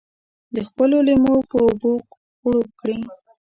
د خپلو لېمو په اوبو خړوب کړي.